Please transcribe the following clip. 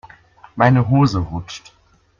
Meine Hose rutscht.